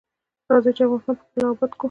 راځی چی افغانستان پخپله اباد کړو.